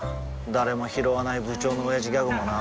誰もひろわない部長のオヤジギャグもな